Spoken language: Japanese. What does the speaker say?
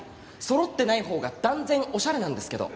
そろってないほうが断然オシャレなんですけど。